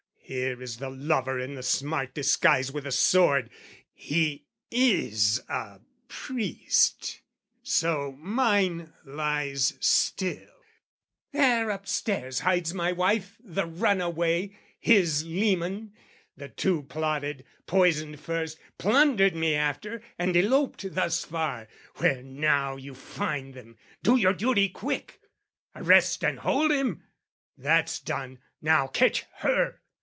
"Here is the lover in the smart disguise "With the sword, he is a priest, so mine lies still: "There upstairs hides my wife the runaway, "His leman: the two plotted, poisoned first, "Plundered me after, and eloped thus far "Where now you find them. Do your duty quick! "Arrest and hold him! That's done: now catch her!"